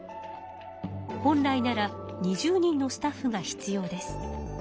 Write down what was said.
本来なら２０人のスタッフが必要です。